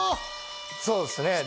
そうですね。